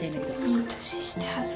いい年して恥ず。